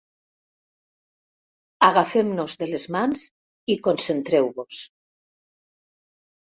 Agafem-nos de les mans i concentreu-vos.